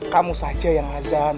hancurkan pasukan daniman